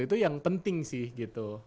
itu yang penting sih gitu